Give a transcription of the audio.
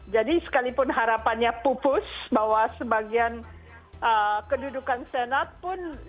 jadi sekalipun harapannya pupus bahwa sebagian kedudukan senat pun